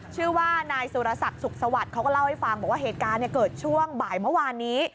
ชื่อว่านายสุรศักดิ์สุขสวัสดิ์เขาก็เล่าให้ฟังบอกว่าเหตุการณ์เกิดช่วงบ่ายเมื่อวานนี้